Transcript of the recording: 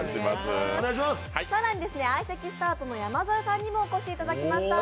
相席スタートの山添さんにもお越しいただきました。